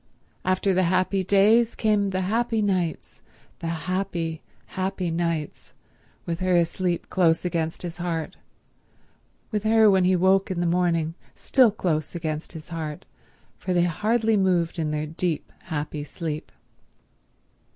After the happy days came the happy nights, the happy, happy nights, with her asleep close against his heart, with her when he woke in the morning still close against his heart, for they hardly moved in their deep, happy sleep.